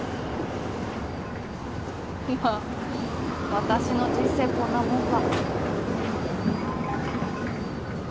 私の人生こんなもんか。